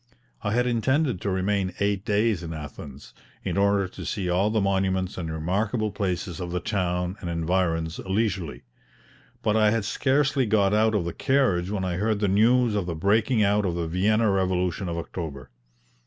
I had intended to remain eight days in Athens, in order to see all the monuments and remarkable places of the town and environs leisurely; but I had scarcely got out of the carriage when I heard the news of the breaking out of the Vienna revolution of October.